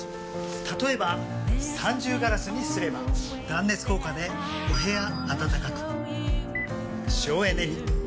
例えば三重ガラスにすれば断熱効果でお部屋暖かく省エネに。